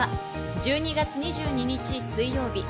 １２月２２日、水曜日。